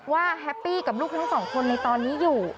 แฮปปี้กับลูกทั้งสองคนในตอนนี้อยู่